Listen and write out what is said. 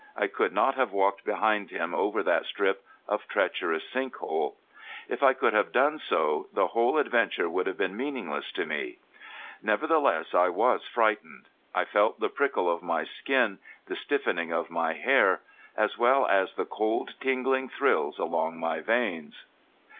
I could not have walked behind him over that strip of treacherous sink hole. If I could have done so the whole adventure would have been meaningless to me. Nevertheless I was frightened. I felt the prickle of my skin, the stiffening of my hair, as well as the cold tingling thrills along my veins.